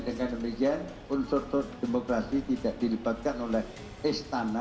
sebelumnya di jakarta